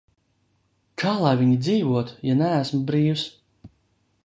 Kā lai viņi dzīvotu, ja neesmu brīvs?